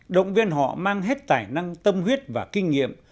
động viên họ mang hết tài năng tâm huyết và kinh nghiệm